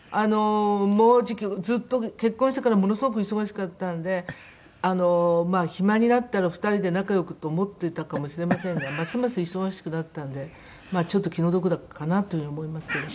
もうじきずっと結婚してからものすごく忙しかったんで暇になったら２人で仲良くと思ってたかもしれませんがますます忙しくなったんでちょっと気の毒かなという風に思いますけどね。